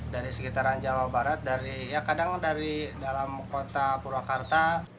dari sekitaran jawa barat dari ya kadang dari dalam kota purwakarta